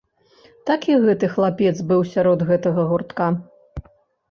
Так і гэты хлапец быў сярод гэтага гуртка.